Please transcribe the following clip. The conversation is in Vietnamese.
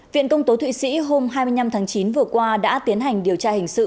viện công tố thụy sĩ hôm hai mươi năm tháng chín vừa qua đã tiến hành điều tra hình sự